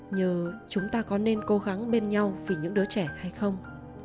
nhờ chúng ta có nên cố gắng bên nhau vì những đứa trẻ hay không